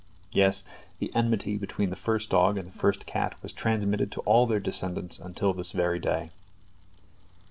Yes, the enmity between the first dog and the first cat was transmitted to all their descendants until this very day.